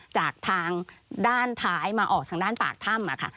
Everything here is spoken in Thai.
จากทางด้านท้ายมาออกทางด้านปากถ้ำค่ะ